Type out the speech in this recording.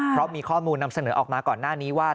เพราะมีข้อมูลนำเสนอออกมาก่อนหน้านี้ว่า